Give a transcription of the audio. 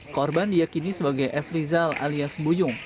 korban diakini sebagai f rizal alias buyung